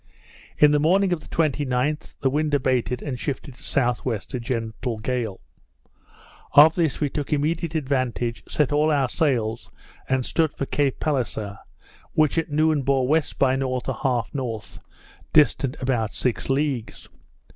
In the morning of the 29th, the wind abated and shifted to S.W. a gentle gale. Of this we took immediate advantage, set all our sails, and stood for Cape Palliser, which at noon bore W. by N. 1/2 N., distant about six leagues.